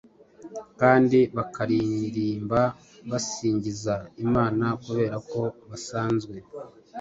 kandi bakaririmba basingiza Imana kubera ko basanzwe